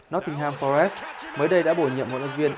nottingham forest mới đây đã bổ nhiệm một ơn viên